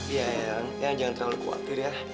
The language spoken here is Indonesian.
iya yang yang jangan terlalu khawatir ya